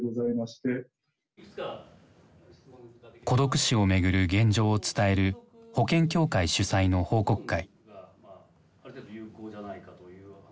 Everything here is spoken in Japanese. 孤独死をめぐる現状を伝える保険協会主催の報告会。